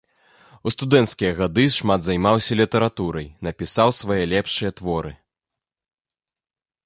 У студэнцкія гады шмат займаўся літаратурай, напісаў свае лепшыя творы.